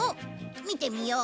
見てみよう。